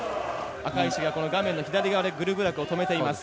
赤石がこの画面の左側でグルブラクを止めています。